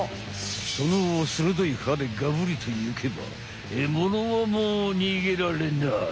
その鋭い歯でガブリといけばえものはもう逃げられない！